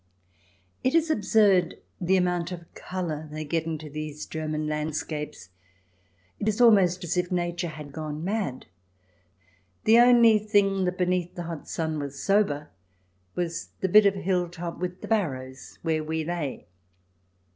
It is absurd the amount of colour they get into these German landscapes. It is almost as if Nature had gone mad. The only thing that, beneath the hot sun, was sober was the bit of hill top with the barrows where we lay.